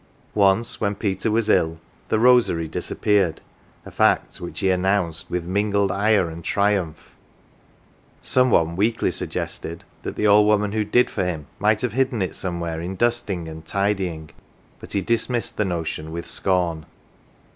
Once when Peter was ill the v* rosary disappeared, a fact which he announced with mingled ire and triumph. Some one weakly sug gested that the old woman who " did for him " might have hidden it somewhere in dusting and tidying, but he dismissed the notion with scorn.